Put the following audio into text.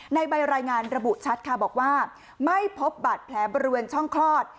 ในใบรายงานระบุชัดค่ะบอกว่าไม่พบบาดแผลบริเวณช่องคลอด